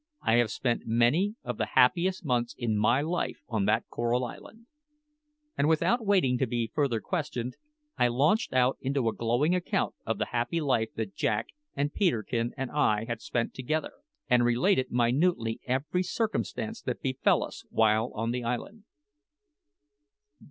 "I have spent many of the happiest months in my life on that Coral Island;" and without waiting to be further questioned, I launched out into a glowing account of the happy life that Jack and Peterkin and I had spent together, and related minutely every circumstance that befell us while on the island.